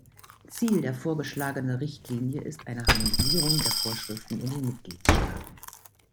Ziel der vorgeschlagene Richtlinie ist eine Harmonisierung der Vorschriften in den Mitgliedstaaten.